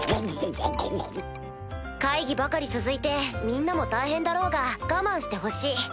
会議ばかり続いてみんなも大変だろうが我慢してほしい。